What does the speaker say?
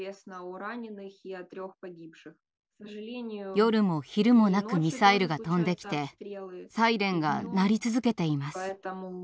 夜も昼もなくミサイルが飛んできてサイレンが鳴り続けています。